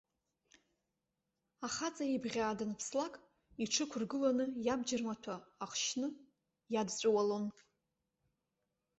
Ахаҵа еибӷьаа данԥслак иҽы ықәыргыланы иабџьармаҭәа ахшьны иадҵәыуалон.